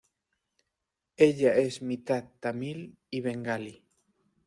Ella es mitad tamil y bengalí.